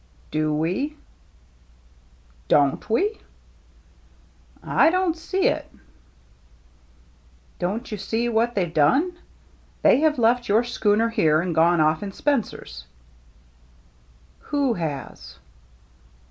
"Do we?" " Don't we !" "I don't see it.*' " Don't you see what they've done ? They have left your schooner here and gone oiF in Spencer's." "Who has?"